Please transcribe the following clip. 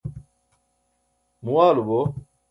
muwaalu bo